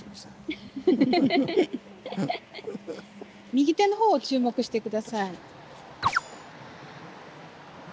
右手の方を注目して下さい。